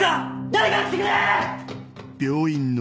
誰か来てくれ！